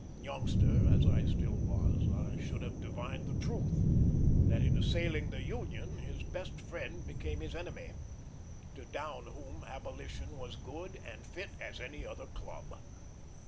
Youngster as I still was, I should have divined the truth, that in assailing the Union his best friend became his enemy, to down whom abolition was good and fit as any other club.